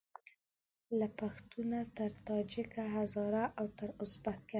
له پښتونه تر تاجیکه هزاره او تر اوزبیکه